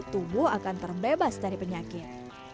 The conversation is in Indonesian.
tubuh akan terbebas dari penyakit